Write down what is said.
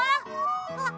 あっ！